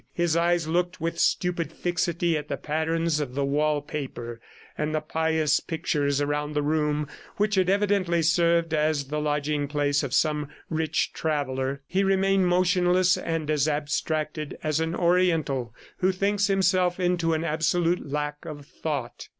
His eyes looked with stupid fixity at the patterns of the wall paper and the pious pictures around the room which had evidently served as the lodging place of some rich traveller. He remained motionless and as abstracted as an Oriental who thinks himself into an absolute lack of thought.